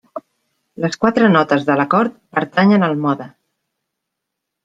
Les quatre notes de l'acord pertanyen al mode.